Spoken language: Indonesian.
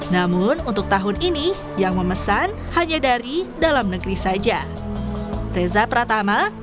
namun untuk tahun ini yang memesan hanya dari dalam negeri saja